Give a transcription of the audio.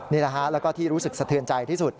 นี่แหละฮะแล้วก็ที่รู้สึกสะเทือนใจที่สุด